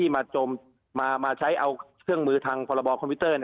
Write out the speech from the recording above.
มาใช้เอาเครื่องมือทางพรบคอมพิวเตอร์